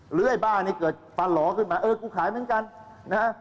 หรือไอ้บ้านี่เกิดฟันหลอขึ้นมากูขายเหมือนกัน